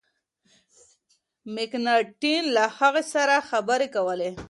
مکناټن له هغه سره خبري کولې.